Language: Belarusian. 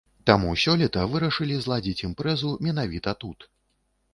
Таму сёлета вырашылі зладзіць імпрэзу менавіта тут.